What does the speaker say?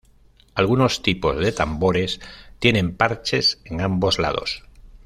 Algunos tipos de tambores tienen parches en ambos lados.